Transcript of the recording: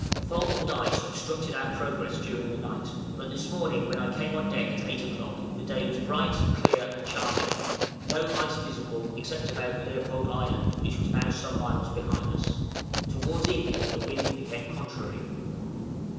Fog and ice obstructed our progress during the night; but this morning when I came on deck at eight o'clock, the day was bright, clear, and charming; no ice visible, except about Leopold Island, which was now some miles behind us. Towards evening the wind became contrary.